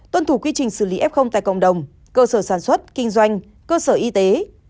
tuân thủ quy trình xử lý f tại cộng đồng cơ sở sản xuất kinh doanh cơ sở y tế